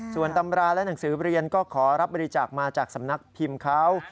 ส่วนตำราและหนังสือเรียนก็ขอรับบริจาคมาจากสำนักพิมพ์เขา